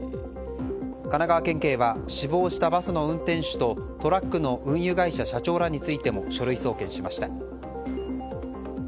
神奈川県警は死亡したバスの運転手とトラックの運輸会社社長らについても書類送検しました。